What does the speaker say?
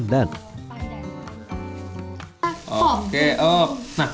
dan juga air rebusan pandan